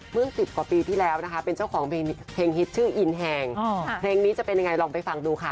สิบกว่าปีที่แล้วนะคะเป็นเจ้าของเพลงฮิตชื่ออินแฮงเพลงนี้จะเป็นยังไงลองไปฟังดูค่ะ